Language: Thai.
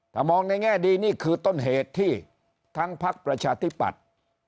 ถ้ามองในแง่ดีนี่คือต้นเหตุที่ทั้งพักประชาธิปัตย์